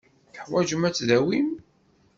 Teḥwajem ad tdawim.